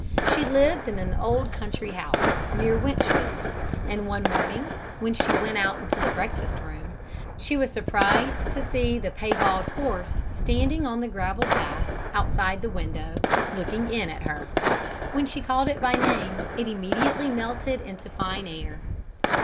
She lived in an old country house near Winchfield, and one morning when she went into the breakfast room, she was surprised to see the piebald horse standing on the gravel path, outside the window, looking in at her. When she called it by name, it immediately melted into fine air.